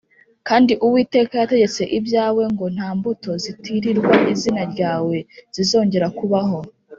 Kandi Uwiteka yategetse ibyawe ngo nta mbuto zitirirwa izina ryawe zizongera kubaho